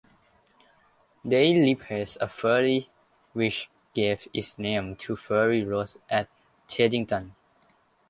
They replaced a ferry which gave its name to Ferry Road at Teddington.